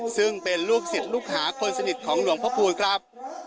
ซึ่งเป็นลูกศิษย์ลูกหาคนสนิทของหลวงพระคูณครับ